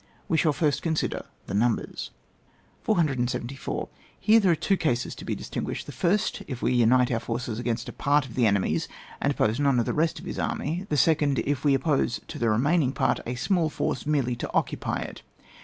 We shall first consider the numbers. 474. Here there are two cases to be distinguished ; the first, if we unite our forces against a part of the enemy's and oppose none to the rest of his army* the second, if we oppose to the remaining part a small forc^ merely to occupy it.